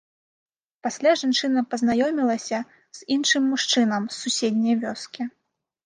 Пасля жанчына пазнаёмілася з іншым мужчынам з суседняй вёскі.